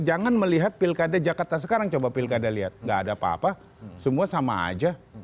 jangan melihat pilkada jakarta sekarang coba pilkada lihat gak ada apa apa semua sama aja